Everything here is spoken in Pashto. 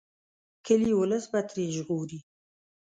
کلي ولس به ترې ژغوري.